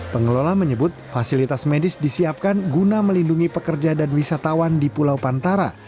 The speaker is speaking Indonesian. pengelola menyebut fasilitas medis disiapkan guna melindungi pekerja dan wisatawan di pulau pantara